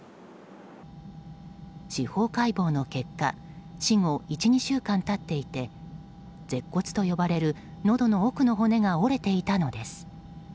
司法解剖の結果死後１２週間経っていて舌骨と呼ばれる、のどの奥の骨が折れていたのです。